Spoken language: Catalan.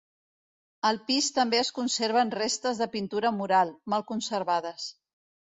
Al pis també es conserven restes de pintura mural, mal conservades.